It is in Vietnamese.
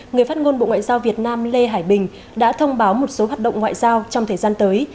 người phát ngôn bộ ngoại giao việt nam lê hải bình đã thông báo một số hoạt động ngoại giao trong thời gian tới